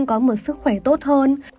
có một sức khỏe tốt hơn